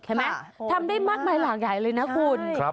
ใช่ไหมทำได้มากมายหลังใหญ่เลยนะคุณ